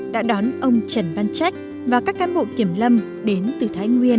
đã đón ông trần văn trách và các cán bộ kiểm lâm đến từ thái nguyên